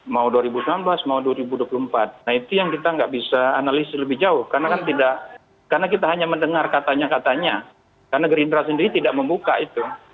mau dua ribu sembilan belas mau dua ribu dua puluh empat nah itu yang kita nggak bisa analisis lebih jauh karena kita hanya mendengar katanya katanya karena gerindra sendiri tidak membuka itu